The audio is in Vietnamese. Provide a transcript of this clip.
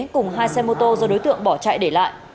cùng hai xe mô tô do đối tượng bỏ chạy để lại